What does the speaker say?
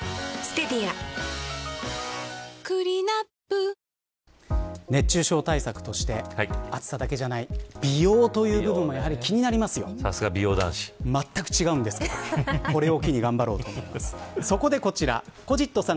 白い泡のようなものが熱中症対策として暑さだけじゃない美容という部分もさすが美容男子まったく違うんですけどこれを機に頑張ろうと思います。